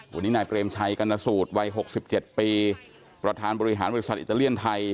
วันนี้นายเปรมชัยกรณสูตรวัย๖๗ปีประธานบริหารบริษัทอิตาเลียนไทย